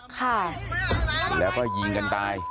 ค่ะแล้วก็ยิงกันตาย